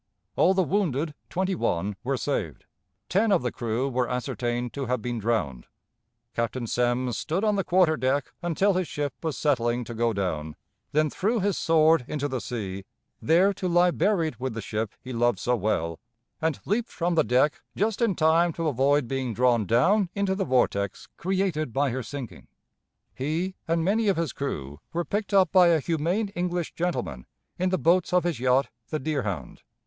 All the wounded twenty one were saved; ten of the crew were ascertained to have been drowned. Captain Semmes stood on the quarter deck until his ship was settling to go down, then threw his sword into the sea, there to lie buried with the ship he loved so well, and leaped from the deck just in time to avoid being drawn down into the vortex created by her sinking. He and many of his crew were picked up by a humane English gentleman in the boats of his yacht, the Deerhound.